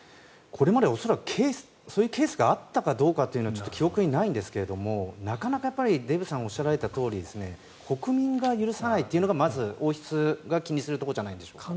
これまで恐らくそういうケースがあったかどうかはちょっと記憶にないんですがなかなか、デーブさんがおっしゃられたとおり国民が許さないというのがまず、王室が気にするところじゃないでしょうか。